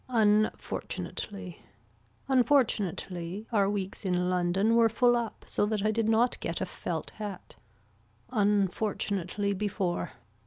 Unfortunately. Unfortunately our weeks in London were full up so that I did not get a felt hat. Unfortunately before.